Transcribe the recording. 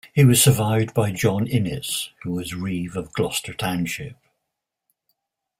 He was survived by John Innes who was reeve of Gloucester Township.